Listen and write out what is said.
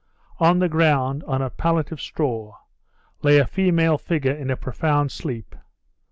On the ground, on a pallet of straw, lay a female figure in a profound sleep.